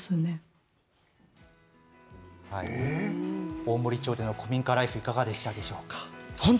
大森町での古民家ライフいかがでしたでしょうか？